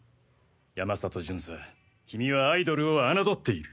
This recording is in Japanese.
山里巡査君はアイドルを侮っている。